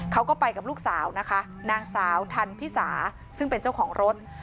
เขาก็ไปกับลูกสาวนะคะนางสาวทันพิสาซึ่งเป็นเจ้าของรถ